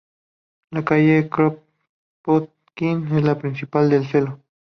La calle Kropotkin es la principal del "seló".